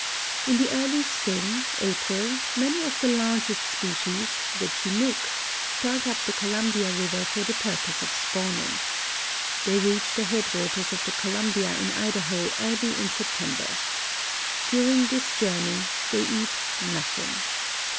In the early spring (April) many of the largest species, the Chinook, start up the Columbia river for the purpose of spawning. They reach the headwaters of the Columbia in Idaho early in September. During this journey they eat nothing.